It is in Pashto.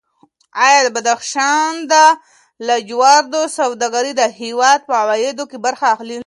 ایا د بدخشان د لاجوردو سوداګري د هېواد په عوایدو کې برخه لري؟